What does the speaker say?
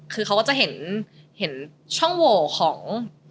คือเขาก็จะเห็นช่องโหวของ